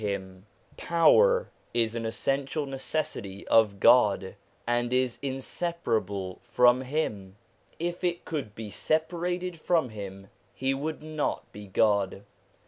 197 198 SOME ANSWERED QUESTIONS Power is an essential necessity of God, and is insepar able from Him. If it could be separated from Him, He would not be God.